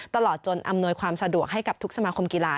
ตลอดจนอำนวยความสะดวกให้กับทุกสมาคมกีฬา